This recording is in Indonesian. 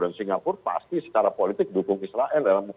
dan singapura pasti secara politik dukung israel